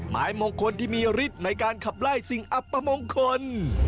ไม้มงคลที่มีฤทธิ์ในการขับไล่สิ่งอัปมงคล